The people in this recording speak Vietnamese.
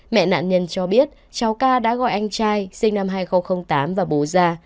mẹ nạn nhân cho biết cháu ca đã gọi anh trai sinh năm hai nghìn tám và bố ra